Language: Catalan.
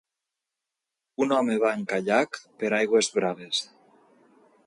Un home va en caiac per aigües braves.